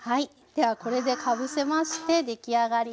ではこれでかぶせまして出来上がりです。